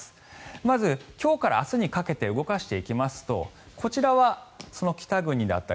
まず今日から明日にかけて動かしていきますとこちらは北国だったり